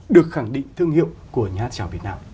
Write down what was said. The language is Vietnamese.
được khẳng định thương hiệu của nhá trào việt nam